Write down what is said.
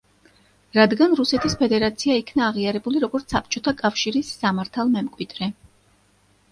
რადგან რუსეთის ფედერაცია იქნა აღიარებული როგორც საბჭოთა კავშირის სამართალმემკვიდრე.